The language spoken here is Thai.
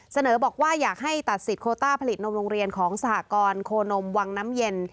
เสนอบอกว่าอยากให้ตัดสิทธิโคต้าผลิตนมโรงเรียนของสหกรโคนมวังน้ำเย็น